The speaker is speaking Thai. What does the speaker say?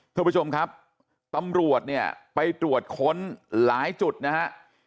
ท่านผู้ชมครับตำรวจเนี่ยไปตรวจค้นหลายจุดนะฮะ